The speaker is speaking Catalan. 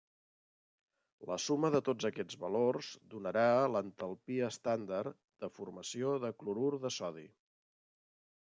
La suma de tots aquests valors donarà l'entalpia estàndard de formació de clorur de sodi.